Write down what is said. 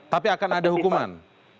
tapi akan ada hukuman